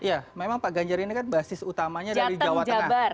ya memang pak ganjar ini kan basis utamanya dari jawa tengah